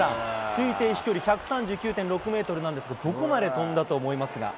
推定飛距離１３９．６メートルなんですが、どこまで飛んだと思いますか。